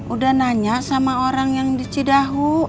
udah nanya sama orang yang di cidahu